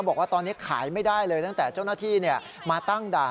บอกว่าตอนนี้ขายไม่ได้เลยตั้งแต่เจ้าหน้าที่มาตั้งด่าน